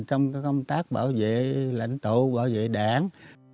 trong công tác bảo vệ lãnh tụ bảo vệ đảng